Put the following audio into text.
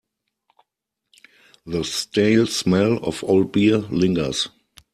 The stale smell of old beer lingers.